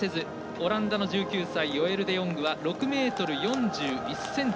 オランダ、ヨエル・デヨングは６ｍ４１ｃｍ。